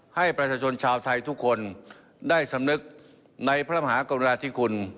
ให้ประชาชนชาวไทยทุกคนได้สำนึกในพระมหากรุณาธิคุณ